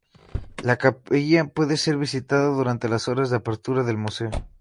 La capilla puede ser visitada durante las horas de apertura del museo.